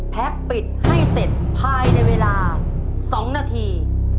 ปิดให้เสร็จภายในเวลา๒นาที